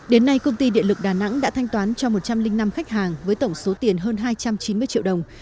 đến nay công ty điện lực đà nẵng đã thanh toán cho một trăm linh năm khách hàng với tổng số tiền hơn hai trăm chín mươi triệu đồng